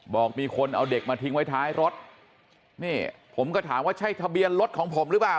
บอกมีคนเอาเด็กมาทิ้งไว้ท้ายรถนี่ผมก็ถามว่าใช่ทะเบียนรถของผมหรือเปล่า